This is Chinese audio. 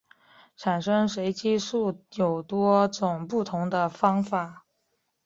产生随机数有多种不同的方法。